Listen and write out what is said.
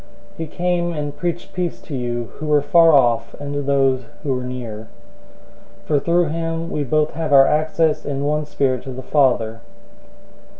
002:017 He came and preached peace to you who were far off and to those who were near. 002:018 For through him we both have our access in one Spirit to the Father.